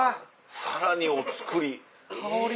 さらにお造り。